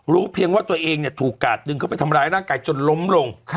เพียงว่าตัวเองถูกกาดดึงเข้าไปทำร้ายร่างกายจนล้มลง